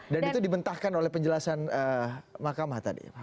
dan itu dimentahkan oleh penjelasan mahkamah tadi